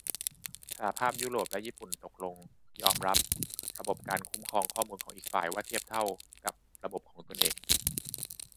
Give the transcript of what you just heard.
สหภาพยุโรปและญี่ปุ่นตกลงยอมรับระบบการคุ้มครองข้อมูลของอีกฝ่ายว่า 'เทียบเท่า' กับระบบของตัวเอง